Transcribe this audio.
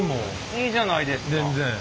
いいじゃないですか。